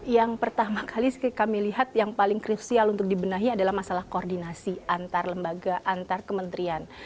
yang pertama kali kami lihat yang paling krusial untuk dibenahi adalah masalah koordinasi antar lembaga antar kementerian